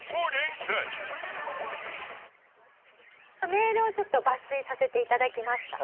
メールをちょっと抜粋させて頂きました。